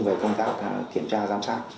về công tác kiểm tra giám sát